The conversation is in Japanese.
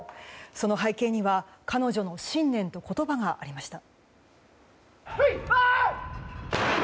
その背景には彼女の信念と言葉がありました。